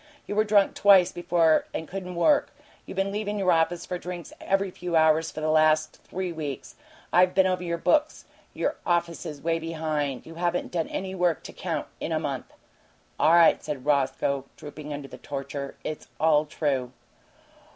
You were drunk twice before and couldn't work. You been leavin' your office for drinks every few hours for the last three weeks. I been over your books. Your office is way behind. You haven't done any work, to count, in a month." "All right," said Roscoe, drooping under the torture. "It's all true."